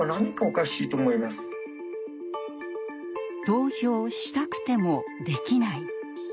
投票したくてもできない。